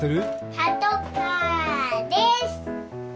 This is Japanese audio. パトカーです。